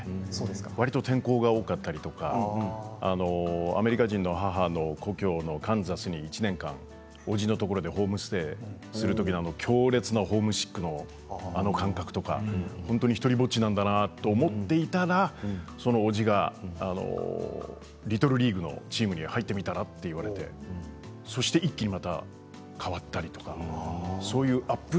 わりと転校が多かったりとかアメリカ人の母の故郷のカンザスに１年間おじのところでホームステイするときなど強烈なホームシックのあの感覚とか本当に独りぼっちなんだなと思っていたらそのおじがリトルリーグのチームに入ってみたらと言われてそして一気にまた変わったりとかアップ